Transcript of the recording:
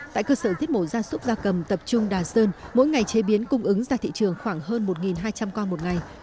tại cơ sở thiết mổ gia súc gia cầm tập trung đà sơn mỗi ngày chế biến cung ứng ra thị trường khoảng hơn một hai trăm linh con một ngày